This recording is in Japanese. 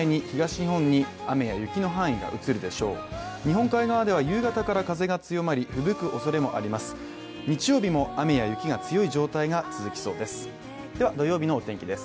日本海側では夕方から風が強まりふぶくおそれもあります。